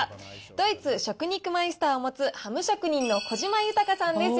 ドイツ食肉マイスターを持つ、ハム職人の小島豊さんです。